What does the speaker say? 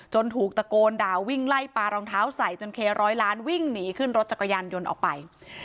ถูกตะโกนด่าวิ่งไล่ปลารองเท้าใส่จนเคร้อยล้านวิ่งหนีขึ้นรถจักรยานยนต์ออกไป